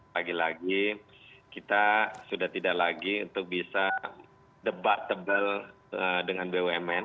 lagi lagi kita sudah tidak lagi untuk bisa debatable dengan bumn